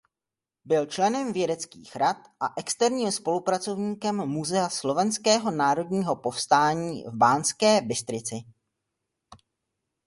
Byl členem vědeckých rad a externím spolupracovníkem Muzea Slovenského národního povstání v Banské Bystrici.